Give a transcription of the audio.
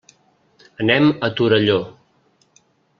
Anem a Torelló.